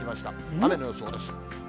雨の予想です。